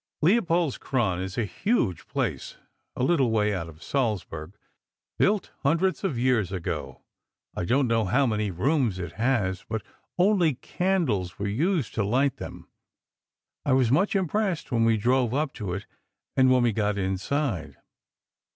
Leopoldskron is a huge place, a little way out of Salzburg, built hundreds of years ago. I don't know how many rooms it has, but only candles were used to light them. I was much impressed when we drove up to it, and when we got inside.